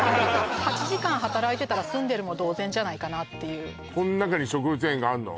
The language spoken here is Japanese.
８時間働いてたら住んでるも同然じゃないかなっていうこの中に植物園があるの？